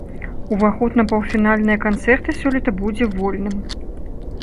Уваход на паўфінальныя канцэрты сёлета будзе вольным.